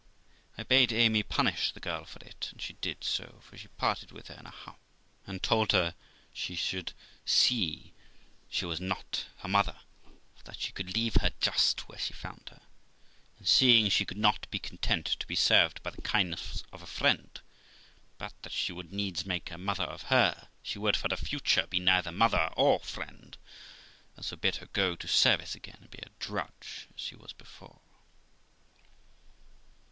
I Amy punish the girl for it, and she did so, for she parted with her THE LIFE OF ROXANA 355 in a huff, and told her she should see she was not her mother, for that she could leave her just where she found her; and, seeing she could not be content to be served by the kindness of a friend, but that she would needs make a mother of her, she would, for the future, be neither mother or friend, and so bid her go to service again, and be a drudge as she was before.